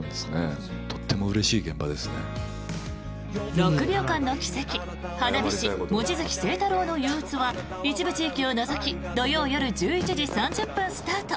「６秒間の軌跡花火師・望月星太郎の憂鬱」は一部地域を除き土曜夜１１時３０分スタート。